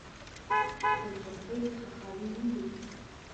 دلچسپۍ څخه خالي نه وي.